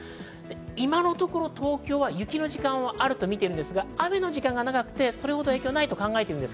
今のところ東京は雪の時間はあるとみているんですが、雨の時間が長くてそれほど影響はないと考えています。